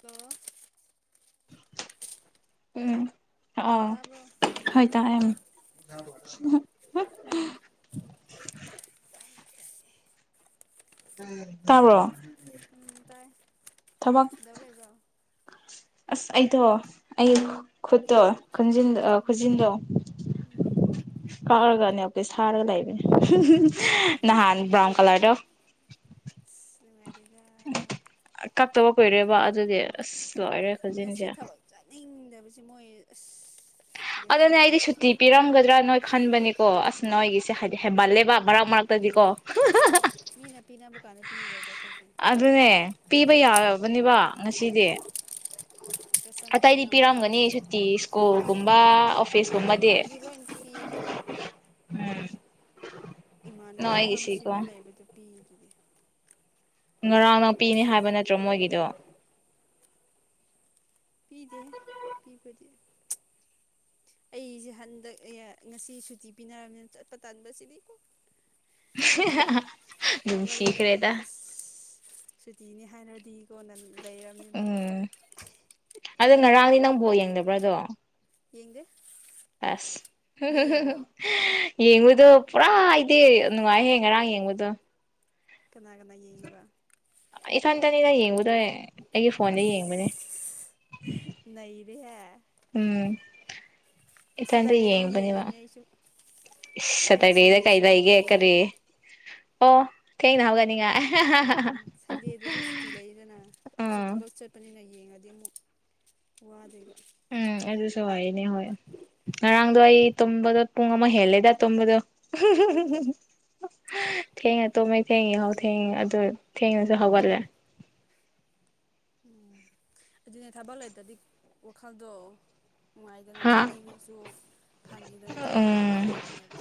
ꯇꯣ ꯎꯝ ꯑꯥꯎ ꯇꯥꯕ꯭ꯔꯣ ꯍꯣꯏ ꯇ ꯑ [unintelligible] ꯇꯥꯏꯌꯦ ꯇꯥꯏꯌꯦ ꯇꯥꯕ꯭ꯔꯣ ꯎꯝ ꯊꯕꯛ ꯇꯥꯏꯗꯕ ꯂꯩꯕ꯭ꯔꯣ ꯑꯁ ꯑꯩꯗꯣ ꯑꯩ ꯈꯨꯠꯇꯣ ꯈꯟꯖꯤꯟ ꯎꯝ ꯈꯨꯟꯖꯤꯟꯂꯣ ꯎꯝ ꯀꯥꯔꯒꯅꯦ ꯑꯣꯦ ꯁꯥꯔꯒ ꯂꯩꯕꯅꯦ ꯎꯝ ꯅꯍꯥꯟ ꯕ꯭ꯔꯥꯎꯟ ꯀꯂꯔꯗꯣ ꯑꯗꯨ ꯃꯥꯔꯦ ꯀꯛꯇꯕ ꯀꯨꯏꯔꯦꯕ ꯑꯗꯨꯗꯤ ꯑꯁ ꯂꯣꯏꯔꯦ ꯉꯁꯤ ꯈꯨꯖꯤꯟꯁꯦ ꯊꯕꯛ ꯆꯠꯅꯤꯡꯗꯕ ꯁꯤ ꯃꯣꯏ ꯑꯗꯨꯅꯦ ꯕꯦꯔꯥꯅꯤ ꯑꯩꯗꯤ ꯁꯨꯇꯤ ꯄꯤꯔꯝꯒꯗ꯭ꯔꯥ ꯅꯣꯏ ꯈꯟꯕꯅꯤꯀꯣ ꯑꯁ ꯅꯣꯏꯒꯤꯁꯦ ꯍꯥꯏꯗꯤ ꯍꯦꯟꯃꯜꯂꯦꯕ ꯃꯔꯛ ꯃꯔꯛꯇꯗꯤ ꯀꯣ ꯎꯝ ꯃꯤꯅꯦ ꯑꯗꯨ ꯑꯗꯨꯅꯦ ꯄꯤꯕ ꯌꯥ ꯐꯕꯅꯤꯕ ꯉꯁꯤꯗꯤ ꯀꯁꯇꯃꯔꯁꯨ ꯑꯇꯩꯗꯤ ꯌꯥꯝ ꯂꯥꯛꯑꯣꯏꯗ ꯄꯤꯔꯝꯒꯅꯤ ꯁꯨꯇꯤ ꯁ꯭ꯀꯨꯜꯒꯨꯝꯕ ꯑꯣꯐꯤꯁ ꯀꯨꯝꯕꯗꯤ ꯁꯨꯇꯤꯒꯨꯝꯕꯗꯤ ꯂꯣꯏ ꯄꯤꯍꯦ ꯎꯝ ꯏꯃꯥꯟꯅꯕꯤ ꯐꯥꯔꯃꯥꯁꯤ ꯅꯣꯏꯒꯤꯁꯤꯀꯣ ꯑꯃ ꯂꯩꯕꯗꯨ ꯄꯤ [unintelligible] ꯉꯔꯥꯡ ꯅꯥꯄꯤꯅꯤ ꯍꯥꯏꯕ ꯅꯠꯇ꯭ꯔꯣ ꯃꯣꯏꯒꯤꯗꯣ ꯄꯤꯗꯦ ꯄꯤꯕꯗꯤ ꯑꯩꯁꯦ ꯍꯟꯗꯛ ꯉꯁꯤ ꯁꯨꯇꯤ ꯄꯤꯅꯔꯕꯅꯤꯅ ꯆꯠꯄ ꯇꯥꯟꯕꯕꯁꯤꯗꯤ ꯀ ꯑꯗꯨꯝ ꯁꯤꯤꯈꯔꯦ ꯇ ꯑꯁ ꯁꯨꯇꯤꯅꯤ ꯍꯥꯏꯅꯔꯗꯤꯀꯣꯟꯅ ꯂꯩꯔꯝꯃꯤꯕ ꯎꯝ ꯑꯗꯣ ꯉꯔꯥꯡꯅꯤ ꯅꯪꯐꯥꯎ ꯌꯦꯡꯗꯕ꯭ꯔꯥꯗꯣ ꯌꯦꯒ ꯑꯁ ꯌꯦꯉꯗꯨ ꯄꯨꯔꯥ ꯍꯥꯏꯗꯦ ꯅꯨꯡꯉꯥꯏꯍꯌꯦꯦ ꯉꯔꯥꯡ ꯌꯦꯡꯕꯗꯣ ꯀꯅꯥ ꯀꯅꯥ ꯌꯦꯉꯕ ꯏ ꯐꯟ ꯇꯅꯤꯗ ꯌꯦꯡꯉꯨꯗꯣꯏ ꯑꯩꯒꯤ ꯐꯣꯟꯗ ꯌꯦꯡꯕꯅꯦ ꯕꯤꯍꯥ ꯎꯝ ꯏꯊꯟꯇ ꯁꯇꯔꯗꯦꯗꯗꯤ ꯌꯦꯡꯕꯅꯦꯕ ꯌꯦꯡꯒꯅꯤ ꯑꯩꯁꯨ ꯍꯥꯏꯗꯤ ꯁꯇꯔꯗꯦꯗ ꯁꯟꯗꯦ ꯀꯩ ꯁꯨꯇꯤ ꯂꯩꯒꯦ ꯑꯣꯏꯕꯅꯤꯅ ꯀꯔꯤ ꯑꯣ ꯊꯦꯡꯅ ꯍꯧꯒꯅꯤꯉ ꯑꯦ ꯎꯝ ꯁꯟꯗꯦꯗꯗꯤ ꯁꯨꯇꯤ ꯂꯩꯗꯅ ꯍꯧꯖꯤꯛ ꯎꯝ ꯊꯕꯛ ꯆꯠꯄꯅꯤꯅ ꯌꯦꯡꯉꯗꯤ ꯑꯃꯨꯛ ꯋꯥꯗꯦꯒ ꯎꯝ ꯑꯗꯨꯁꯨ ꯋꯥꯔꯤꯅꯦ ꯍꯣꯏ ꯉꯔꯥꯡꯗꯣ ꯑꯩ ꯇꯣꯝꯕꯗ ꯄꯨꯡ ꯑꯃ ꯍꯦꯜꯂꯦꯗ ꯇꯣꯝꯕꯗ ꯎꯝ [inaudible] ꯊꯦꯡꯉ ꯇꯨꯝꯃꯦꯩ ꯊꯦꯡꯉꯤ ꯍꯥꯎ ꯊꯦꯡꯉ ꯑꯗꯨ ꯊꯦꯡꯉꯁꯨ ꯍꯧꯒꯠꯂꯦ ꯎꯝ ꯑꯗꯨꯅꯦ ꯊꯕꯛ ꯂꯩꯇꯗꯤ ꯋꯥꯈꯜꯗꯣ ꯅꯨꯡꯉꯥꯏꯗꯅ ꯍꯥ ꯇꯨꯝꯅꯤꯡꯉꯁꯨ ꯐꯪꯉꯤꯗꯅ ꯇꯨꯝꯕ ꯎꯝ ꯑꯗꯨꯒꯤꯅꯦꯕ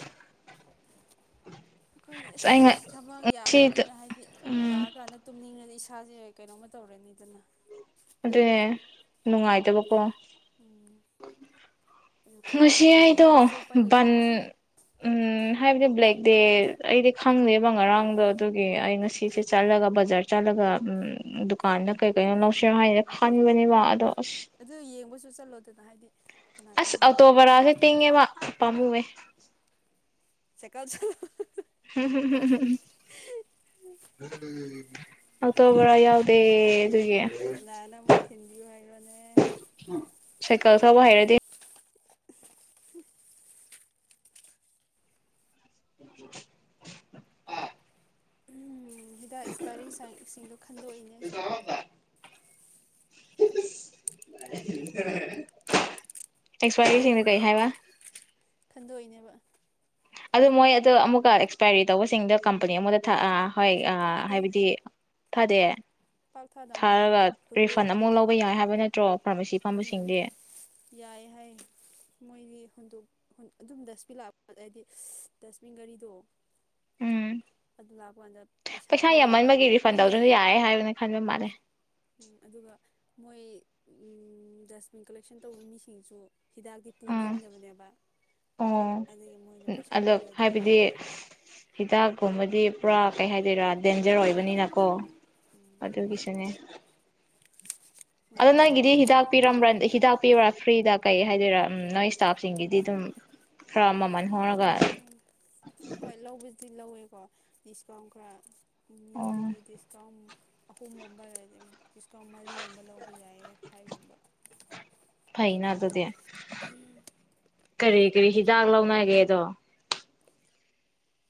ꯑꯩꯈꯣꯏꯗꯤ ꯑꯁ ꯑꯩ ꯊꯕꯛ ꯉꯁꯤꯗ ꯌꯥꯝꯕꯅꯤꯅ ꯍꯥꯏꯕꯗꯤ ꯎꯝ ꯂꯥꯛꯑꯀꯥꯟꯗ ꯇꯨꯝꯅꯤꯡꯉꯗꯤ ꯏꯁ ꯊꯥꯁꯦ ꯀꯩꯅꯣꯝꯃ ꯇꯧꯔꯦꯅꯤ ꯗꯅ ꯑꯗꯨꯅꯦ ꯅꯨꯡꯉꯥꯏꯇꯕꯀꯣ ꯎ ꯉꯁꯤ ꯑꯩꯗꯣ ꯕꯟ ꯎ ꯍꯥꯏꯕꯗꯤ ꯄꯕ꯭꯭ꯂꯦꯛ ꯗꯦ ꯑꯩꯗꯤ ꯈꯪꯗꯦꯕ ꯉꯔꯥꯡꯗꯣ ꯑꯗꯨꯒꯤ ꯑꯩꯅ ꯁꯤꯁꯦ ꯆꯠꯂꯒ ꯕꯖꯥꯔ ꯆꯠꯂꯒ ꯗꯨꯀꯥꯟꯗ ꯀꯩ ꯀꯩꯅꯣ ꯂꯧꯁꯤꯔꯣ ꯍꯥꯏꯅ ꯈꯟꯕꯅꯦꯕ ꯑꯗꯣ ꯑꯁ ꯑꯗꯨ ꯌꯦꯡꯕꯁꯨ ꯆꯠꯂꯣꯗꯅ ꯍꯥꯏꯗꯤ ꯀꯅꯥ ꯑꯁ ꯈꯪꯕ꯭ꯔꯣ ꯍꯥꯡꯕ ꯑꯇꯣꯕꯔꯥꯁꯦ ꯂꯩꯔꯝꯃꯗꯤ ꯇꯦꯡꯦ ꯃꯥꯄꯥꯥꯝꯃꯨꯦ [inaudible] ꯆꯀꯥꯎꯁꯨꯣ ꯍꯝ ꯍꯝꯝ ꯍꯝ ꯑꯇꯣꯕ꯭ꯔ ꯌꯥꯎꯗꯦ ꯑꯗꯨꯒꯤ ꯂꯅꯥꯅ ꯑꯃ ꯍꯤꯟꯗꯤ ꯍꯥꯏꯒꯅꯦ ꯁꯥꯏꯀꯜ ꯊꯕ ꯍꯩꯔꯗꯤ ꯑ ꯎꯝ ꯍꯤꯗꯥꯛ ꯏꯁꯄꯔꯤ ꯁꯥꯏꯁꯤꯡꯗꯣ ꯈꯟꯗꯣꯛꯏꯅꯦ ꯑꯩꯁꯨ ꯑꯦꯛꯁꯄꯥꯔꯠꯒꯤꯁꯤꯡꯅ ꯀꯩ ꯍꯥꯏꯕ ꯁꯟꯗꯣꯛꯅꯦꯕ ꯑꯗꯨ ꯃꯣꯏ ꯑꯗꯣ ꯑꯃꯨꯛꯀ ꯑꯦꯛꯁꯄꯥꯏꯔꯤ ꯇꯧꯕꯁꯤꯡꯗꯣ ꯀꯝꯄꯅꯤ ꯑꯃꯨꯗ ꯊꯛꯑ ꯍꯣꯏ ꯊꯥꯗꯦ ꯍꯥꯏꯕꯗꯤ ꯐꯗꯦ ꯄꯥꯛ ꯊꯥꯗꯕ ꯃꯥꯜꯂꯦ ꯍꯣꯏ ꯊꯥꯔꯒ ꯔꯤꯐꯟ ꯍꯨꯟꯗꯣꯛꯏꯅꯦ ꯑꯃꯨꯛ ꯑꯗꯨꯝ ꯂꯧꯕ ꯌꯥꯏ ꯍꯥꯏꯕ ꯅꯠꯇ ꯁ꯭ꯔꯣꯞ ꯎꯝ ꯌꯥꯏ ꯍꯥꯏ ꯃꯣꯏꯒꯤ ꯍꯨꯟꯗꯣꯛ ꯑꯗꯨꯝ ꯗꯁꯕꯤꯟ ꯂꯥꯛꯄ ꯍꯥꯏꯗꯤ ꯗꯁꯕꯤꯟ ꯒꯥꯔꯤꯗꯣ ꯎꯝ ꯑꯗꯨ ꯂꯥꯛꯄꯥꯟꯗ ꯄꯩꯁꯥ ꯌꯥꯝꯃꯟꯕꯒꯤ ꯔꯤꯐꯟ ꯇꯧꯗ꯭ꯔꯁꯨ ꯌꯥꯔꯦ ꯍꯥꯏꯕꯅ ꯈꯟꯕ ꯃꯥꯜꯂꯦ ꯑꯗꯨꯒ ꯃꯣꯏ ꯗꯁꯕꯤꯟ ꯀꯂꯦꯛꯁꯟ ꯇꯧꯕ ꯃꯤꯁꯤꯡꯁꯨ ꯍꯤꯗꯥꯛꯇꯤ ꯎꯝ ꯄꯨꯅꯤꯡꯗꯕꯅꯦꯕ ꯑꯣ ꯑꯗꯨꯗꯒꯤ ꯃꯣꯏꯅ ꯄꯩꯁꯥ ꯑꯗꯣ ꯄꯤꯔꯒ ꯑꯗꯨꯝ ꯄꯤꯕꯅꯦ ꯗꯤ ꯄꯨꯔꯥ ꯀꯩ ꯍꯥꯏꯗꯣꯏꯔꯥ ꯗꯦꯟꯖꯔ ꯑꯣꯏ ꯅꯀꯣ ꯍꯣꯏ ꯎꯝ ꯑꯗꯨ ꯑꯗꯨꯒꯤꯁꯅꯦ ꯃꯣꯏꯅ ꯑꯗꯨꯗ ꯅꯪ ꯄꯩꯁꯥ ꯏꯗꯤ ꯍꯤꯗꯥꯛ ꯄꯤꯔꯁꯤꯗ ꯄꯤꯔꯝꯕ꯭ꯔ ꯍꯤꯗꯥꯛ ꯄꯤꯕ꯭ꯔꯥ ꯐꯔꯤꯗꯥꯛ ꯀꯩ ꯍꯥꯏꯗꯣꯏꯔꯥ ꯎ ꯅꯣꯏ ꯏꯁꯇꯥꯞꯁꯤꯡꯒꯤꯗꯤ ꯑꯗꯨꯝ ꯈꯔ ꯃꯃꯜ ꯄꯤꯗꯦꯅ ꯍꯣꯡꯉꯒ ꯆꯅꯤ ꯍꯣꯏ ꯂꯧꯕꯁ ꯁꯤ ꯂꯧꯋꯦꯀꯣ ꯗꯤꯁꯀꯥꯎꯟ ꯈꯔ ꯑꯣ ꯃꯤꯗꯒꯤꯗꯤ ꯏꯁꯇꯥꯝ ꯑꯍꯨꯝꯒꯨꯝꯕ ꯗꯤꯁꯀꯥꯎꯟ ꯃꯔꯤꯒꯨꯝꯕ ꯂꯧꯕ ꯌꯥꯏꯌꯦ ꯈ꯭ꯋꯥꯏꯒꯨꯝꯕ ꯐꯩꯩꯅ ꯑꯗꯨ ꯑꯗꯨꯗꯤ ꯀꯔꯤ ꯀꯔꯤ ꯍꯤꯗꯥꯛ ꯂꯧꯅꯒꯦꯗꯣ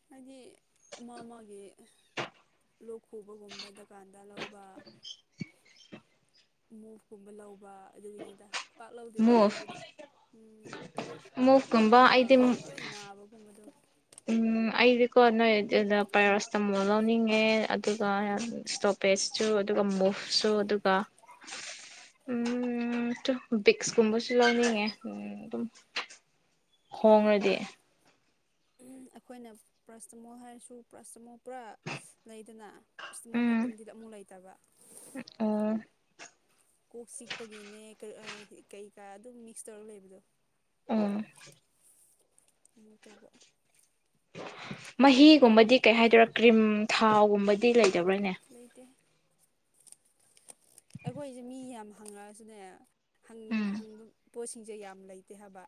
ꯍꯥꯏꯗꯤ ꯃꯥ ꯃꯥꯒꯤ ꯂꯣꯛ ꯈꯨꯕꯒꯨꯝꯕ ꯗꯨꯀꯥꯟꯗ ꯂꯧꯕ ꯃꯣꯞꯀꯨꯝꯕ ꯂꯧꯕ ꯑꯗꯨꯒꯤꯅꯤꯗ ꯄꯥꯛ ꯂꯧꯗꯦꯗ ꯃꯨꯚ ꯂꯧꯕꯗꯤ ꯎꯝ ꯃꯨꯚꯀꯨꯝꯕ ꯈꯣꯡꯒ ꯑꯩꯗꯤ ꯂꯣꯏ ꯅꯥꯕꯒꯨꯝꯕꯗꯣ ꯎꯝ ꯑꯩꯗꯤꯀꯣ ꯅꯣꯏ ꯄꯦꯔꯔꯁ ꯇ ꯂꯧꯅꯤꯡꯉꯦ ꯑꯗꯨꯒ ꯏꯁꯇꯣꯄꯦꯁꯁꯨ ꯑꯗꯨꯒ ꯃꯨꯐꯁꯨ ꯑꯗꯨꯒ ꯎ ꯕꯤꯛꯁꯀꯨꯝꯕꯁꯨ ꯂꯧꯅꯤꯡꯉꯦ ꯑꯗꯨꯝ ꯍꯣꯡꯡꯂꯗꯤ ꯑꯩꯈꯣꯏꯅ ꯄ꯭ꯔꯁꯇꯃꯣꯜ ꯍꯥꯏꯔꯁꯨ ꯄ꯭ꯔꯁꯇꯃꯣꯜ ꯄꯨꯔꯥ ꯂꯩꯗꯅ ꯄ꯭ꯔꯥꯁꯇꯃꯣꯜ ꯎꯝ ꯈꯛꯇꯪꯗꯤꯗ ꯑꯃꯨꯛ ꯂꯩꯇꯕ ꯑꯣ ꯀꯣꯛ ꯆꯤꯛꯄꯒꯤꯅꯦ ꯀꯩꯀꯥ ꯑꯗꯨꯝ ꯃꯤꯛꯁ ꯇꯧꯔꯒ ꯂꯩꯕꯗꯣ ꯑꯥ ꯇꯧꯕ ꯃꯍꯤꯒꯨꯝꯕꯗꯤ ꯀꯩ ꯍꯥꯏꯗꯣꯏꯔꯥ ꯀ꯭ꯔꯤꯝ ꯊꯥꯎꯒꯨꯝꯕꯗꯤ ꯂꯩ ꯖꯕ꯭ꯔꯅꯦ ꯂꯩꯇꯦ ꯑꯩꯈꯣꯏꯁꯦ ꯃꯤ ꯌꯥꯝ ꯍꯪꯉꯛꯑꯁꯨꯅꯦ ꯎꯝ ꯍꯪꯕ ꯄꯣꯠꯁꯤꯡꯁꯦ ꯌꯥꯝ ꯂꯩꯇꯦ ꯍꯥꯏꯕ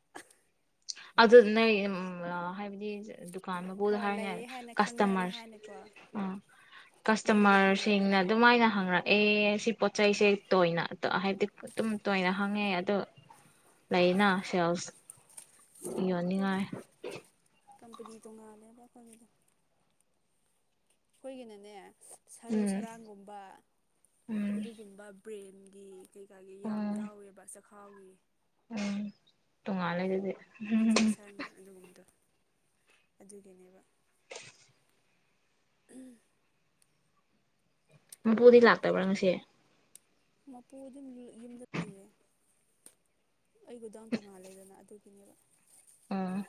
ꯑꯗꯨꯅ ꯍꯥꯏꯕꯗꯤ ꯗꯨꯀꯥꯟ ꯃꯕꯨꯗ ꯍꯣꯏ ꯍꯥꯏꯅꯦ ꯂꯩꯌꯦ ꯍꯥꯏꯅ ꯈꯪꯅꯔꯦ ꯀꯁꯇꯃꯔꯁꯦ ꯍꯥꯏꯅꯀꯣ ꯑ ꯃꯤꯅꯗꯤ ꯀꯁꯇꯃꯔꯁꯤꯡꯅ ꯍꯪꯔꯛꯀꯅꯤ ꯑꯗꯨꯝꯥꯏꯅ ꯍꯪꯉꯛꯦ ꯑꯦ ꯁꯤ ꯄꯣꯠꯆꯩꯁꯦ ꯇꯣꯏꯅ ꯍꯥꯏꯕꯗꯤ ꯑꯗꯨꯝ ꯇꯣꯏꯅ ꯍꯪꯉꯦ ꯑꯗꯣ ꯂꯩꯅ ꯁꯦꯜꯁ ꯍꯥꯞꯇꯦꯗ ꯌꯣꯅꯤꯡꯉꯥꯏ ꯀꯝꯄꯅꯤ ꯇꯣꯡ ꯉ ꯂꯦꯕ ꯀꯗ ꯑꯈꯣꯏꯒꯤꯅꯅꯦ ꯁꯔꯨ ꯎꯝ ꯁꯔꯥꯡꯒꯨꯝꯕ ꯎꯝ ꯑꯗꯨꯒꯨꯝꯕ ꯕ꯭ꯔꯦꯟ ꯒꯤ ꯀꯩꯀꯥꯒꯤ ꯌꯥꯝ ꯎꯝ ꯌꯥꯎꯋꯦꯕ ꯆ ꯈꯥꯎꯋꯏ ꯎꯝ ꯇꯨꯡꯉꯂ ꯑꯗꯨꯗꯤ ꯏꯟꯖꯦꯛꯁꯟ ꯑꯗꯨꯒꯨꯝꯕꯗꯣ ꯑꯗꯨꯒꯤꯅꯦꯕ ꯎꯝ ꯄꯨꯗꯤ ꯂꯥꯛꯇꯕ꯭ꯔꯥ ꯉꯁꯦ ꯃꯄꯣ ꯑꯗꯨꯝ ꯌꯨꯝꯗ ꯂꯩ ꯑꯩ ꯗꯥꯎꯟ ꯇꯣꯡꯉꯥꯜꯂꯦꯗꯅ ꯑꯗꯨ ꯀꯅꯦꯔ ꯑꯥ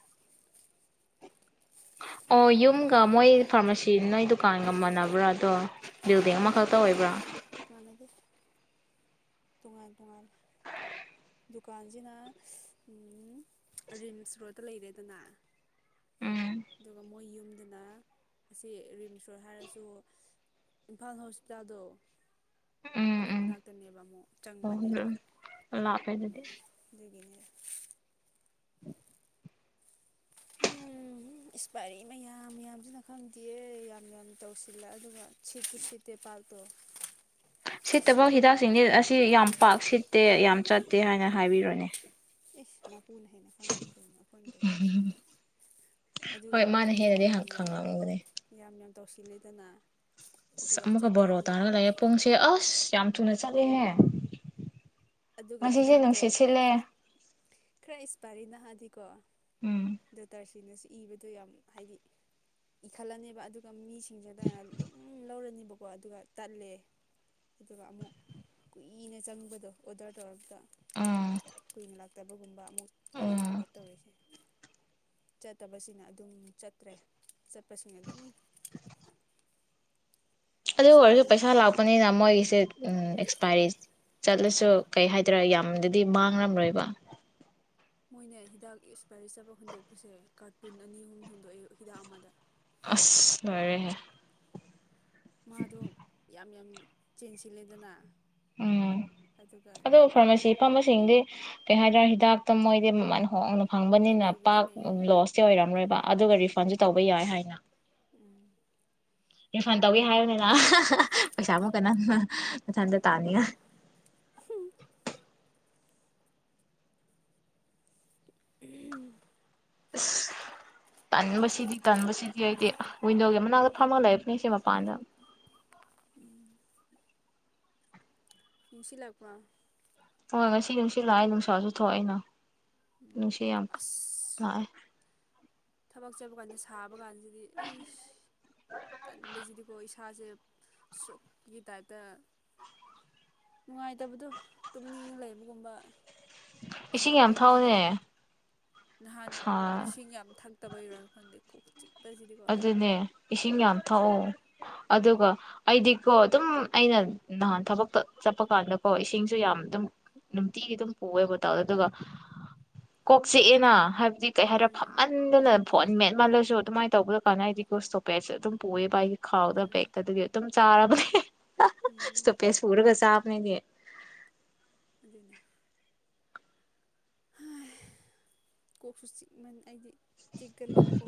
ꯑꯣ ꯌꯨꯝꯒ ꯃꯣꯏ ꯐꯥꯔꯃꯥꯁꯤ ꯅꯣꯏ ꯗꯨꯀꯥꯟꯒ ꯃꯥꯟꯅꯕ꯭ꯔꯥ ꯑꯗꯣ ꯕꯤꯜꯗꯤꯡ ꯃꯥꯟꯅꯗꯦ ꯑꯃꯈꯛꯇ ꯑꯣꯏꯕ꯭ꯔꯥ ꯃꯥꯟꯅꯗꯦ ꯇꯣꯉꯥꯟ ꯇꯣꯉꯥꯟ ꯗꯨꯀꯥꯟꯁꯤꯅ ꯔꯤꯝꯁ ꯔꯣꯠꯇ ꯂꯩꯔꯦꯗꯅ ꯎꯝ ꯑꯗꯨꯒ ꯃꯣꯏ ꯌꯨꯝꯗꯅ ꯑꯁꯤ ꯔꯤꯝꯁ ꯔꯣꯗ ꯍꯥꯏꯔꯁꯨ ꯏꯝꯐꯥꯜ ꯍꯣꯁꯄꯤꯇꯥꯜꯗꯣ ꯎꯝ ꯑꯗꯨ ꯎꯝ ꯃꯅꯥꯛꯇꯅꯦꯕ ꯑꯃꯨꯛ ꯑꯣ ꯆꯪꯕꯅꯦꯕ ꯂꯥꯞꯄꯦ ꯑꯥꯗꯨꯗꯤ ꯗꯗꯒꯤꯅꯦ ꯎꯝ ꯏꯁꯄꯥꯏꯔꯤ ꯃꯌꯥꯝ ꯌꯥꯝꯌꯥꯝꯁꯤꯅ ꯈꯪꯗꯦꯌꯦ ꯌꯥꯝ ꯌꯥꯝ ꯇꯧꯁꯤꯜꯂ ꯑꯗꯨꯒ ꯁꯤꯠꯇꯨ ꯁꯤꯠꯇꯦ ꯄꯥꯇꯣ ꯁꯤꯠꯇꯕ ꯍꯤꯗꯥꯛꯁꯤꯡꯗꯤ ꯑꯁꯤ ꯌꯥꯝ ꯄꯥꯛ ꯁꯤ ꯠꯇꯦ ꯌꯥꯝ ꯆꯠꯇꯦ ꯍꯥꯏꯅ ꯍꯥꯏꯕꯤꯔꯣꯅꯦ ꯏꯁꯃ ꯍꯨꯅ ꯍꯦꯟꯅ ꯐꯪꯉꯤꯅꯤ ꯀꯩꯒꯤꯅꯣ ꯑꯩꯈꯣꯏꯅ ꯇꯧꯕꯁꯨ ꯅꯠꯇ ꯑꯗꯨꯒ ꯍꯣꯏ ꯃꯥꯅ ꯃꯥꯅꯅꯦ ꯍꯦꯟꯅꯗꯤ ꯌꯥꯝ ꯌꯥꯝ ꯈꯪꯂꯝꯒꯅꯤ ꯌꯥꯝ ꯌꯥꯝ ꯇꯧꯁꯤꯜꯂꯤꯗꯅ ꯑꯗꯨꯒ ꯑꯃꯀ ꯕꯥꯔꯣ ꯆꯠꯇ꯭ꯔꯗꯤ ꯄꯨꯡꯁꯦ ꯑꯁ ꯌꯥꯝ ꯊꯨꯅ ꯆꯠꯂꯦꯍꯦ ꯑꯗꯨꯒ ꯉꯁꯤꯁꯦ ꯍꯤꯗꯥꯛꯇꯣ ꯅꯨꯡꯁꯤꯠ ꯁꯤꯠꯂꯦ ꯈꯔ ꯏꯁ ꯄꯔꯤꯅ ꯆꯗꯤꯀꯣ ꯎꯝ ꯗꯨꯇꯁꯤ ꯁꯤꯅꯁꯨ ꯏꯕꯗꯣ ꯌꯥꯝ ꯍꯥꯏꯗꯤ ꯏꯈꯠꯂꯅꯦꯕ ꯑꯗꯨꯒ ꯃꯤ ꯁꯤꯡꯖꯗ ꯑꯗꯨꯝ ꯂꯧꯔꯅꯤ ꯕꯀꯣ ꯑꯗꯨꯒ ꯇꯠꯂꯦ ꯑꯗꯨꯒ ꯑꯃꯨꯛ ꯀꯨꯏꯅ ꯆꯪꯕꯗꯣ ꯑꯣꯗ ꯇ ꯑꯣꯏꯔꯗ ꯎꯝ ꯀꯨꯣꯏꯕ ꯂ ꯇꯕꯒꯨꯝꯕ ꯑꯃꯨꯛ ꯎꯝ ꯂꯥꯛꯏꯅꯦꯕ ꯇꯧꯔꯤꯁꯦ ꯆꯠꯇꯕꯁꯤꯅ ꯑꯗꯨꯝ ꯆꯠꯇ꯭ꯔꯦ ꯆꯠꯄꯁꯤꯡꯅ ꯑꯗꯨꯝ ꯑꯗꯨ ꯏꯁꯄꯥꯏꯔꯤ ꯑꯣꯏꯔꯁꯨ ꯄꯩꯁꯥ ꯍꯨꯟꯗꯣꯛꯄ ꯂꯥꯛꯄꯅꯤꯅ ꯃꯣꯏꯒꯤꯁꯦ ꯎꯝ ꯑꯦꯛꯁꯄꯥꯏꯔꯤ ꯆꯠꯂꯁꯨ ꯀꯩ ꯍꯥꯏꯗꯣꯢꯅꯣ ꯌꯥꯝꯗꯗꯤ ꯃꯥꯡꯔꯝꯔꯣꯏꯕ ꯃꯣꯏꯅ ꯍꯤꯗꯥꯛ ꯏꯁꯄꯥꯏꯔꯤ ꯆꯠꯄ ꯍꯨꯟꯗꯣꯛꯄꯁꯦ ꯀꯥꯔꯇꯨꯟ ꯑꯅꯤ ꯑꯍꯨꯝ ꯍꯨꯟꯗꯣꯛꯑꯦ ꯍꯤꯗꯥꯛ ꯑꯃꯗ ꯑꯁ ꯂꯣꯏꯔꯦꯍꯦ ꯃꯥꯗꯣ ꯌꯥꯝ ꯌꯥꯝ ꯆꯦꯟꯁꯤꯜꯂꯦꯗꯅ ꯎꯝ ꯑꯗꯨꯒ ꯑꯗꯨ ꯐꯥꯔꯃꯥꯁꯤ ꯐꯝꯕꯁꯤꯡꯗꯤ ꯀꯩ ꯍꯥꯏꯇꯥꯔꯣ ꯍꯤꯗꯥꯛꯇ ꯃꯣꯏꯗꯤ ꯃꯃꯜ ꯍꯣꯡꯅ ꯍꯣꯏ ꯐꯪꯕꯅꯤꯅ ꯂꯩꯕꯨꯗꯤ ꯄꯥꯛ ꯂꯩ ꯍꯥꯏ ꯂꯣꯁꯇꯤ ꯑꯣꯏꯔꯝꯔꯣꯏꯕ ꯑꯗꯨꯒ ꯔꯤꯐꯟꯁꯨ ꯎꯝ ꯇꯧꯕ ꯌꯥꯏ ꯍꯥꯏꯅ ꯎꯝ ꯔꯤꯐꯟ ꯇꯧꯋꯤ ꯍꯥꯏꯕꯅꯤꯅ ꯄꯩꯁꯥꯃꯨꯛ ꯀꯟꯅꯟꯅ ꯃꯊꯟꯗ ꯇꯥꯅꯤꯉꯥꯢ ꯎꯝ ꯑꯁ ꯇꯟꯕꯁꯤꯗꯤ ꯇꯟꯕꯁꯤꯗꯤ ꯑꯩꯗꯤ ꯋꯤꯟꯗꯣꯒꯤ ꯃꯅꯥꯛꯇ ꯐꯝꯃ ꯂꯩ ꯐꯁꯦ ꯃꯄꯥꯟꯗ ꯎꯝ ꯁꯤꯂꯥꯛꯄꯣ ꯍꯣꯏ ꯉꯁꯤ ꯅꯨꯡꯁꯤꯠ ꯂꯥꯛꯑꯦ ꯅꯨꯡꯁꯥꯁꯨ ꯊꯣꯛꯑꯅ ꯎꯝ ꯁꯤꯌꯝ ꯀꯟ ꯑꯁ ꯂꯥꯛꯑꯦ ꯊꯕꯛ ꯆꯠꯄ ꯀꯥꯟꯗ ꯁꯥꯕ ꯀꯥꯟꯁꯤꯗꯤ ꯑꯩ ꯇꯟꯕꯁꯤꯗꯤꯀꯣ ꯏꯁꯥꯁꯦ ꯁꯨꯛꯀꯤ ꯇꯥꯏꯞꯇ ꯅꯨꯡꯉꯥꯏꯇꯕꯗꯣ ꯇꯨꯝꯅꯤꯡ ꯂꯩꯕꯒꯨꯝꯕ ꯏꯁꯤꯡ ꯌꯥꯝ ꯁꯥꯃꯟꯕꯒꯤ ꯊꯛꯎꯅꯦ ꯅꯍꯥꯟ ꯏꯁꯤꯡ ꯌꯥꯝ ꯊꯛꯇꯕꯩꯔ ꯈꯪꯗꯦ ꯀꯣꯛ ꯆꯤꯛꯄꯁꯤꯗꯤꯀꯣ ꯑꯗꯨꯅꯦ ꯏꯁꯤꯡ ꯌꯥꯝ ꯊꯛꯑꯣ ꯑꯗꯨꯒ ꯑꯩꯗꯤꯀꯣ ꯑꯗꯨꯝ ꯑꯩꯅ ꯅꯍꯥꯟ ꯊꯕꯛꯇ ꯆꯠꯄ ꯀꯥꯟꯗꯀꯣ ꯏꯁꯤꯡꯁꯨ ꯌꯥꯝ ꯑꯗꯨꯝ ꯅꯨꯡꯇꯤꯒꯤ ꯑꯗꯨꯝ ꯄꯨꯑꯦꯕꯇꯥꯎꯗꯣ ꯑꯗꯨꯒ ꯀꯣꯛ ꯆꯤꯛꯑꯦꯅ ꯍꯥꯏ ꯑꯗꯨꯗꯤ ꯀꯩ ꯍꯥꯏꯔ ꯎꯝ ꯐꯝꯃꯟꯗꯅ ꯐꯣꯟ ꯎꯝ ꯃꯦꯠꯃꯜꯂꯁꯨ ꯑꯗꯨꯃꯥꯏꯅ ꯀꯅ ꯍꯥꯏꯁꯨ ꯇꯣꯄꯦ ꯑꯗꯨꯝ ꯄꯨꯏꯑꯦꯕ ꯈꯥꯎꯗ ꯎꯝ ꯕꯦꯛꯇ ꯑꯗꯨꯗꯤ ꯑꯗꯨꯝ ꯆꯥꯔꯕꯅꯦ ꯎꯝ ꯁꯇꯣꯄꯦ ꯄꯨꯔꯒ ꯆꯥꯕꯅꯦ ꯑꯩꯗꯤ ꯑꯗꯨꯅꯦ ꯀꯣꯛꯁꯨ ꯆꯤꯛꯃꯟ ꯑꯩꯗꯤ ꯆꯤꯛꯀꯅꯦꯕꯀ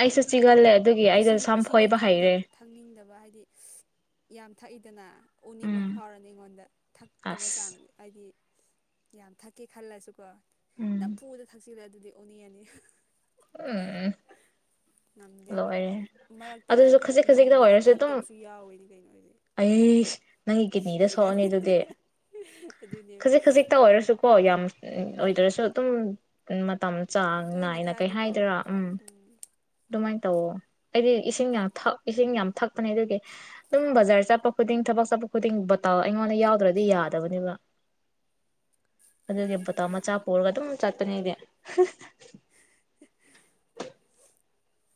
ꯑꯩꯁꯨ ꯆꯤꯒꯜꯂꯦ ꯑꯗꯨꯒꯤ ꯑꯩꯗꯣ ꯏꯁꯤꯡ ꯁꯝ ꯏꯁꯤꯡꯁꯨ ꯐꯣꯏꯕ ꯍꯩꯔꯦ ꯊꯛꯇꯕ ꯊꯛꯅꯤꯡꯗꯕ ꯍꯥꯏꯗꯤ ꯌꯥꯝ ꯊꯛꯏꯗꯅ ꯎꯅꯤꯡꯕ ꯎꯝ ꯐꯥꯎꯔꯅꯤ ꯑꯩꯉꯣꯟꯗ ꯊꯛꯇꯕ ꯑꯁ ꯆꯥꯡ ꯍꯥꯏꯗꯤ ꯌꯥꯝ ꯊꯛꯀꯦ ꯈꯜꯂꯁꯨꯀꯣ ꯎꯝ ꯅ ꯄꯨꯗ ꯊꯛꯁꯤꯂ ꯑꯗꯨꯗꯤ ꯑꯣꯅꯤ ꯑꯅꯤ ꯎꯝ ꯉꯝꯗꯦꯕ ꯂꯣꯏꯔꯦ ꯃꯔꯛꯇ ꯑꯗꯨꯁꯨ ꯈꯖꯤꯛ ꯈꯖꯤꯛꯇ ꯅꯣꯡꯃꯗ ꯑꯣꯏꯔꯁꯨ ꯑꯗꯨꯝ ꯊꯛꯇꯕꯁꯨ ꯌꯥꯎꯋꯦꯅꯦ ꯀꯩꯅꯣ ꯍꯥꯏꯗꯤ ꯑꯩ ꯅꯪꯒꯤ ꯀꯤꯠꯅꯤꯗ ꯁꯣꯛꯑꯅꯤ ꯑꯗꯨꯗꯤ ꯑꯗꯨꯅꯦ ꯈꯖꯤꯛ ꯈꯖꯤꯛꯇ ꯑꯣꯏꯔꯁꯨꯀꯣ ꯌꯥꯝ ꯎꯝ ꯑꯣꯏꯗ꯭ꯔꯁꯨ ꯑꯗꯨꯝ ꯎ ꯃꯇꯝ ꯆꯥꯡ ꯇꯣꯏꯅ ꯅꯥꯏꯅ ꯀꯩ ꯊꯛꯑꯗꯤꯀꯣ ꯍꯥꯏꯗꯔꯥ ꯎꯝ ꯑꯗꯨꯃꯥꯏꯅ ꯇꯧꯑꯣ ꯑꯩꯗꯤ ꯏꯁꯤꯡ ꯌꯥꯝ ꯏꯁꯤꯡ ꯌꯥꯝ ꯊꯛꯄꯅꯦ ꯑꯗꯨꯒꯤ ꯑꯗꯨꯝ ꯕꯖꯥꯔ ꯆꯠꯄ ꯈꯨꯗꯤꯡ ꯊꯕꯛ ꯆꯠꯄ ꯈꯨꯗꯤꯡ ꯕꯇꯥꯥꯎ ꯑꯩꯉꯣꯟꯗ ꯌꯥꯎꯗ꯭ꯔꯗꯤ ꯌꯥꯗꯕꯅꯦꯕ ꯐꯩꯌꯦ ꯑꯗꯨꯕ ꯑꯃ ꯑꯗꯨꯅ ꯆꯥꯄ ꯑꯣꯏꯔꯒ ꯑꯗꯨꯝ ꯆꯠꯄꯅꯤꯗꯦ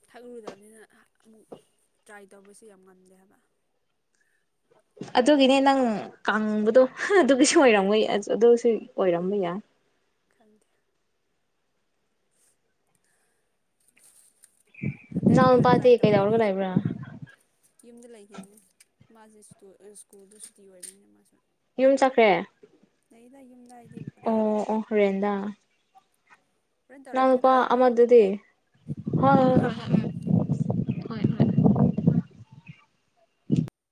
ꯊꯛꯂꯨꯗꯕꯅꯤꯅ ꯑꯃꯨꯛ ꯇ꯭ꯔꯥꯏ ꯇꯧꯕꯁꯨ ꯌꯥꯝ ꯉꯝꯗꯦ ꯍꯥꯏꯕ ꯑꯗꯨꯒꯤꯅꯦ ꯅꯪ ꯀꯪꯕꯗꯣ ꯑꯗꯨꯒꯤꯁꯨ ꯑꯣꯏꯔꯝ ꯑꯗꯨꯁꯨ ꯑꯣꯏꯔꯝꯕ ꯌꯥꯏ ꯈꯪꯗ ꯍꯟꯗꯛꯇꯤ ꯏꯅꯥꯎ ꯈꯔ ꯅꯨꯄꯥꯗꯤ ꯇ꯭ꯔꯥꯏ ꯇꯧꯔꯤꯛꯅꯦ ꯀꯩꯗꯧꯔꯒ ꯑꯩꯁꯨ ꯂꯩꯕ꯭ꯔꯥ ꯌꯨꯝꯗ ꯂꯩꯈꯤꯕꯅꯦ ꯃꯥꯁꯦ ꯁ꯭ꯨꯜ ꯁ꯭ꯀꯨꯜꯗꯨꯁꯨꯤ ꯑꯣꯏꯕꯅꯤꯅ ꯃꯥꯁꯨ ꯌꯨꯝ ꯆꯠꯈ꯭ꯔꯦ ꯂꯩꯗ ꯌꯨꯝꯗ ꯍꯥꯏꯗꯤ ꯔꯦꯟꯗ ꯑꯣ ꯑꯣ ꯔꯦꯟꯗꯥ ꯍꯣꯔꯦꯟ ꯇꯧꯔꯛꯀꯦ ꯅꯉꯄꯥ ꯑꯗꯨꯗꯤꯀꯣ ꯑꯃ ꯑꯗꯨꯗꯤ ꯍ ꯎꯝ